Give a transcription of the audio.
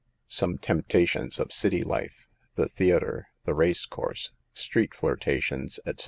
SOME TEMPTATIONS OF CITY LIFE — THE THEA TER — THE RACE COURSE — STREET FLIRTA TIONS, ETC.